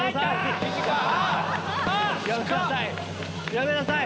やめなさい！